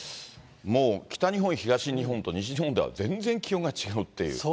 もう北日本、東日本と西日本では全然気温が違うっていう。